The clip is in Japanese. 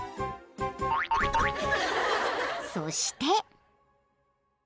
［そして］